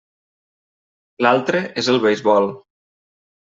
L'altre és el beisbol.